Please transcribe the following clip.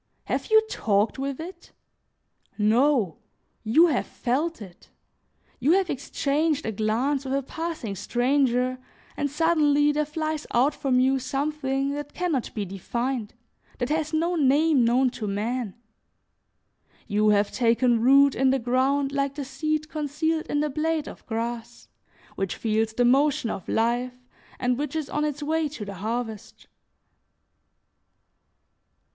Have you talked with it? No, you have felt it. You have exchanged a glance with a passing stranger, and suddenly there flies out from you something that can not be defined, that has no name known to man. You have taken root in the ground like the seed concealed in the blade of grass which feels the motion of life, and which is on its way to the harvest.